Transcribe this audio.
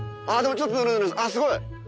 あっすごい！